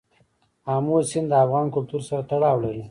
آمو سیند د افغان کلتور سره تړاو لري.